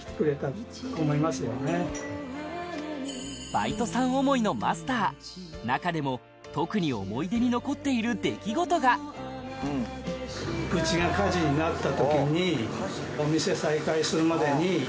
バイトさん思いのマスター中でも特に思い出に残っている出来事がそしたら私と女房にですね。